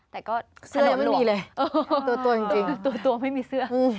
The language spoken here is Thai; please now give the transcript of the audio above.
แต่ก็เสื้อย่างไม่มีเลยตัวตัวจริงจริงตัวตัวไม่มีเสื้ออืม